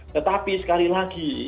tetapi sekali lagi